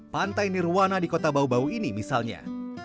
pantai nirwana di kota bau bau ini misalnya